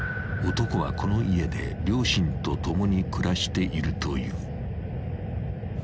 ［男はこの家で両親と共に暮らしているという］